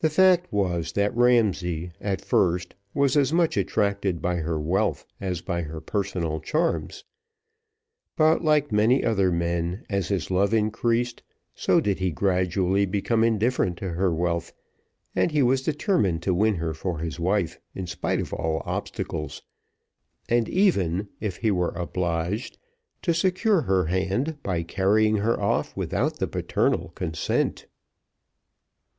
The fact was, that Ramsay, at first, was as much attracted by her wealth as by her personal charms; but, like many other men, as his love increased, so did he gradually become indifferent to her wealth, and he was determined to win her for his wife in spite of all obstacles, and even if he were obliged, to secure her hand, by carrying her off without the paternal consent.